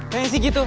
kayaknya sih gitu